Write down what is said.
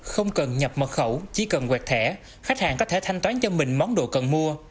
không cần nhập mật khẩu chỉ cần quẹt thẻ khách hàng có thể thanh toán cho mình món đồ cần mua